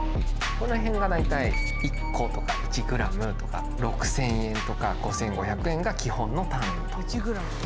この辺が大体１個とか１グラムとか６，０００円とか５，５００円が基本の単位と。